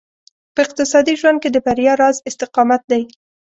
په اقتصادي ژوند کې د بريا راز استقامت دی.